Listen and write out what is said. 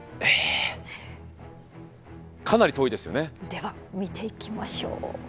では見ていきましょう。